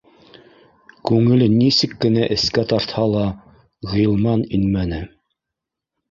Күңеле нисек кенә эскә тартһа ла, Ғилман инмәне